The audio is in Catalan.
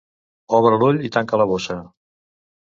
Obre l'ull i tanca la bossa.